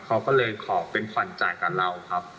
เขาก็เลยขอเป็นขวัญจ่ายกับเราครับ